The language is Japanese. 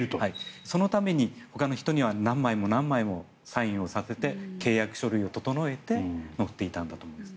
そのために、ほかの人には何枚も何枚もサインをさせて契約書類を整えて乗っていたんだと思います。